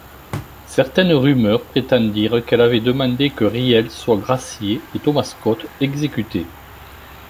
Certaines rumeurs prétendirent qu'elle avait demandé que Riel soit gracié et Thomas Scott, exécuté.